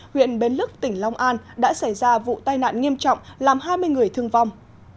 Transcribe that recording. huyện bến lức tỉnh long an đã xảy ra vụ tai nạn nghiêm trọng làm hai mươi người thương vong